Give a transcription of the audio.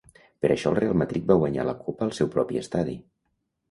Per això el Real Madrid va guanyar la copa al seu propi estadi.